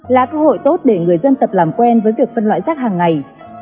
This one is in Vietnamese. là cơ hội tốt để người dân tập làm quen với việc phân loại rác hàng ngày